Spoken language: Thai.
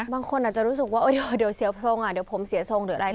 บางคนอาจจะรู้สึกว่าเดี๋ยวเสียทรงเดี๋ยวผมเสียทรงหรืออะไร